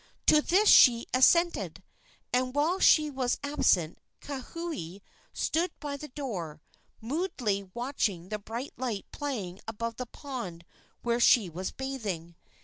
To this she assented, and while she was absent Kauhi stood by the door, moodily watching the bright light playing above the pond where she was bathing.